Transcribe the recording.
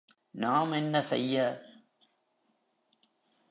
நாம் என்ன செய்ய?